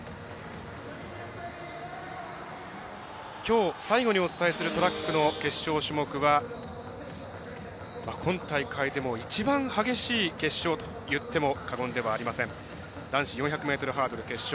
きょう、最後にお伝えするトラックの決勝種目は今大会でも一番激しいといっても過言ではありません男子４００ｍハードル決勝。